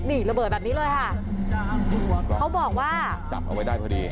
นี่ระเบิดแบบนี้เลยค่ะเขาบอกว่าจับเอาไว้ได้พอดี